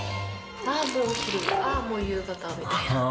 あー、もうお昼、あー、もう夕方みたいな。